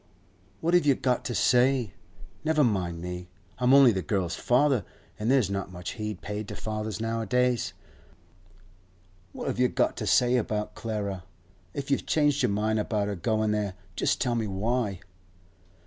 'What have you got to say? Never mind me. I'm only the girl's father, an' there's not much heed paid to fathers nowadays. What have you got to say about Clara? If you've changed your mind about her goin' there, just tell me why.